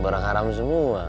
barang haram semua